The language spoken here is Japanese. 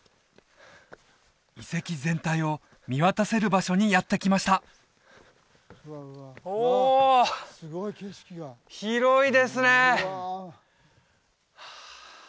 遺跡全体を見渡せる場所にやって来ましたお広いですね